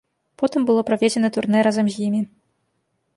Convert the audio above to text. Потым было праведзена турнэ разам з імі.